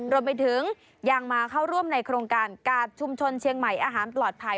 รวมไปถึงยังมาเข้าร่วมในโครงการกาดชุมชนเชียงใหม่อาหารปลอดภัย